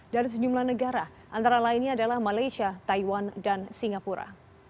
dari sejumlah negara antara lainnya adalah malaysia taiwan dan singapura